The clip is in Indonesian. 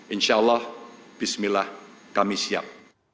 insyaallah bismillah kami siap